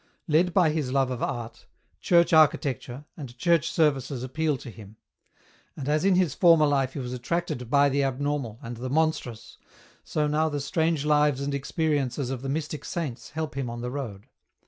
Led by his love of Art, Church Architecture and Church Services appeal to him ; and as in his former life he was attracted by the abnormal and the monstrous, so now the strange lives and experiences of the mystic saints help him on the road.